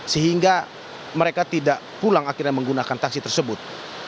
sehingga mereka tidak pulang akhirnya menggunakan taksi tersebut